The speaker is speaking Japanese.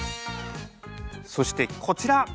そしてこちら！